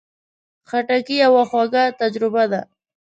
خټکی یوه خواږه تجربه ده.